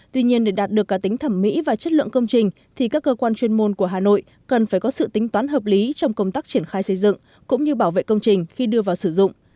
tuy nhiên để đạt được cả tính thẩm mỹ và chất lượng công trình thì các cơ quan chuyên môn của hà nội cần phải có sự tính toán hợp lý trong công tác triển khai xây dựng cũng như bảo vệ công trình khi đưa vào sử dụng